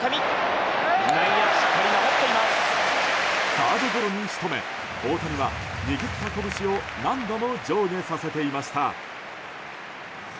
サードゴロに仕留め、大谷は握った拳を何度も上下させていました。